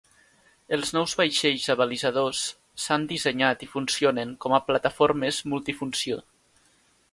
Els nous vaixells abalisadors s'han dissenyat i funcionen com a plataformes multifunció.